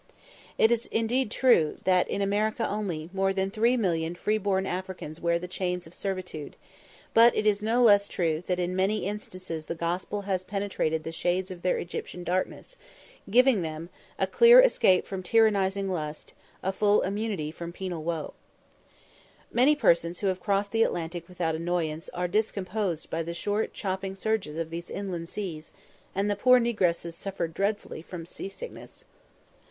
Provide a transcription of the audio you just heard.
It is indeed true that, in America only, more than three million free born Africans wear the chains of servitude; but it is no less true that in many instances the Gospel has penetrated the shades of their Egyptian darkness, giving them "A clear escape from tyrannizing lust, A full immunity from penal woe," Many persons who have crossed the Atlantic without annoyance are discomposed by the short chopping surges of these inland seas, and the poor negresses suffered dreadfully from sea sickness.